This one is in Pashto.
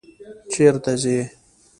چیرته ځئ؟